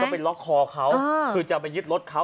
แล้วก็ไปล็อคคอเค้าเอ่อคือจะไปยึดรถเค้า